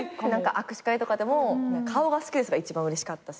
握手会とかでも「顔が好きです」が一番うれしかったし。